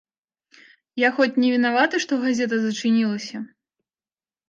Я хоць не вінаваты, што газета зачыніліся?